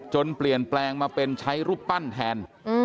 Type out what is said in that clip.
เปลี่ยนแปลงมาเป็นใช้รูปปั้นแทน